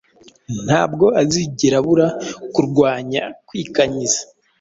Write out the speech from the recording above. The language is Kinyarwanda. ntabwo azigera abura kurwanya kwikanyiza.